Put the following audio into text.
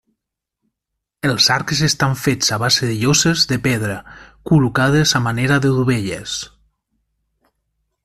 Els arcs estan fets a base de lloses de pedra col·locades a manera de dovelles.